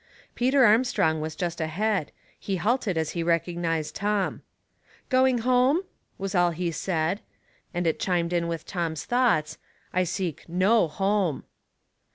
Peter Armstrong was just ahead; he halted as he recognized Tom. " Going home ?" was all he said ; and it chimed in with Tom's thoughts, " I seek no home.''''